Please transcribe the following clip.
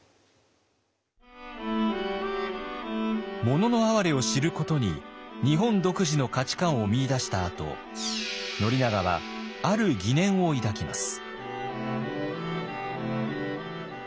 「もののあはれ」を知ることに日本独自の価値観を見いだしたあと宣長はある疑念を抱きます。